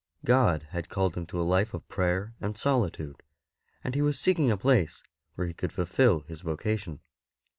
God had called him to a life of prayer and solitude, and he was seeking a place where he could fulfil his vocation.